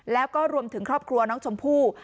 แล้วก็รวมถึงครอบครัวน้องชมพู่